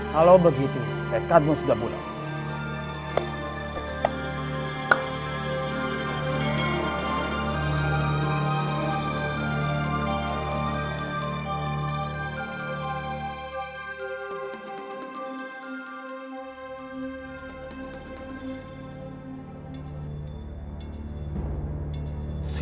kalau begitu pekatmu sudah mulai